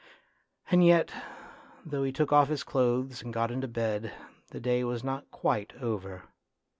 And yet though he took off his clothes and got into bed, the day was not quite over.